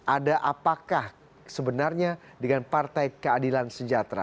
ada apakah sebenarnya dengan partai keadilan sejahtera